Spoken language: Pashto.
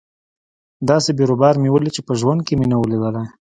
داسې بيروبار مې وليد چې په ژوند کښې مې نه و ليدلى.